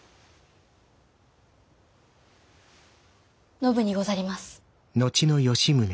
信にござります。